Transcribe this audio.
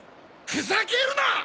ふざけるな！